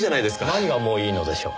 何がもういいのでしょう？